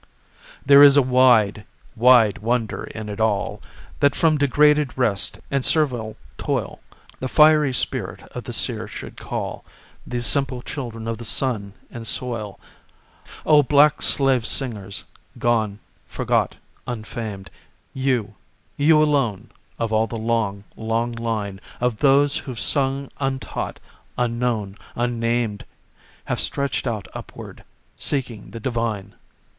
There is a wide, wide wonder in it all, That from degraded rest and servile toil The fiery spirit of the seer should call These simple children of the sun and soil. O black slave singers, gone, forgot, unfamed, You you alone, of all the long, long line Of those who've sung untaught, unknown, unnamed, Have stretched out upward, seeking the divine.